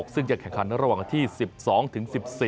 ซึ่งจะแข่งขันระหว่างวันที่๑๒ถึง๑๔